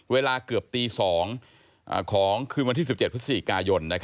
เวลาเกือบตี๒ของคืนวันที่๑๗พฤศจิกายน